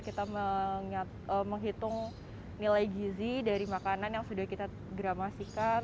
kita menghitung nilai gizi dari makanan yang sudah kita gramasikan